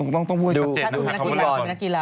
ต้องพูดจัดเจนค่ะ